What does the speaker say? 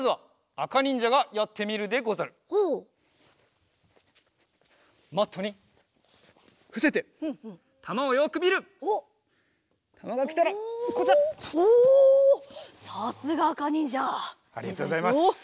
ありがとうございます。